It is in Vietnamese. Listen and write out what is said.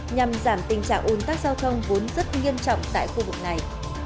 nhằm giảm tình trạng ôn tác giao thông vốn rất nghiêm trọng tại khu vực này